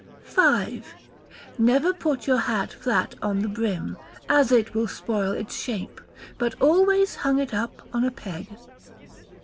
v. Never put your hat flat on the brim, as it will spoil its shape; but always hung it up on a peg.